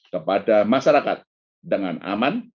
kepada masyarakat dengan aman